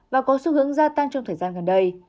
và có xu hướng gia tăng trong thời gian gần đây